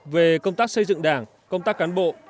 về công tác xây dựng đảng công tác cán bộ